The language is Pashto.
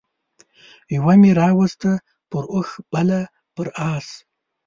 يوه مې راوسته پر اوښ بله پر اس